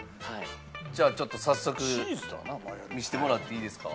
じゃあちょっと早速見せてもらっていいですか？